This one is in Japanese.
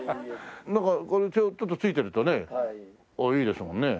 なんかこれちょっとついてるとねいいですもんね。